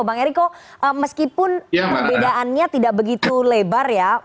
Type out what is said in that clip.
bang eriko meskipun perbedaannya tidak begitu lebar ya